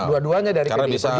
dua duanya dari pdi perjuangan